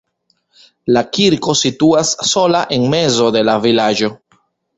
La kirko situas sola en mezo de la vilaĝo.